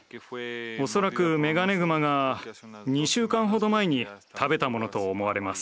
恐らくメガネグマが２週間ほど前に食べたものと思われます。